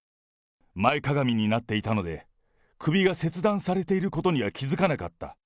前かがみになっていたので、首が切断されていることには気付かなかった。